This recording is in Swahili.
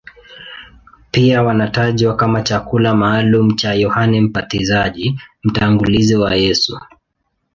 Pia wanatajwa kama chakula maalumu cha Yohane Mbatizaji, mtangulizi wa Yesu.